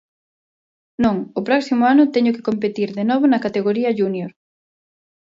Non, o próximo ano teño que competir de novo na categoría Júnior.